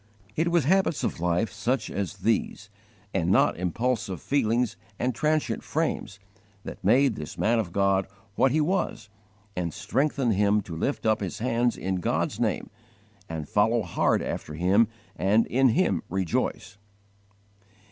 It was habits of life such as these, and not impulsive feelings and transient frames, that made this man of God what he was and strengthened him to lift up his hands in God's name, and follow hard after Him and in Him rejoice.